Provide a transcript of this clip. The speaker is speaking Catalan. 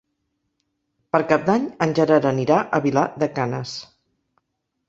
Per Cap d'Any en Gerard anirà a Vilar de Canes.